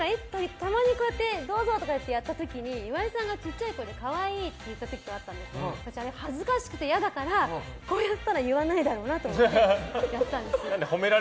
たまに、どうぞってやった時に岩井さんがちっちゃい声で可愛いって言った時があったんですけどあれ恥ずかしくて嫌だからこういったら言わないだろうなって思ってやったんです。